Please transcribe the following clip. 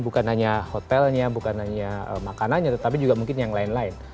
bukan hanya hotelnya bukan hanya makanannya tetapi juga mungkin yang lain lain